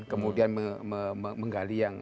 kemudian menggali yang